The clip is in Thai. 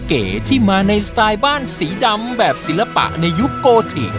เก๋ที่มาในสไตล์บ้านสีดำแบบศิลปะในยุคโกธิง